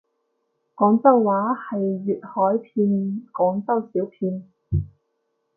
廣州話係粵海片廣州小片